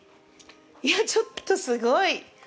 いや、ちょっとすごい。